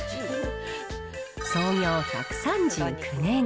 創業１３９年。